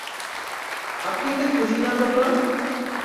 আপনি এতে খুশি না, পাপা?